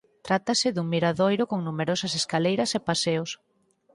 Trátase dun miradoiro con numerosas escaleiras e paseos.